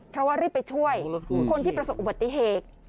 เพราะว่ารีบไปช่วยคนที่ประสบอุบัติเหตุ